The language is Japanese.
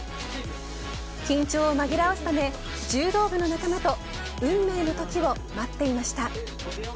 緊張を紛らわすため柔道部の仲間と運命の時を待っていました。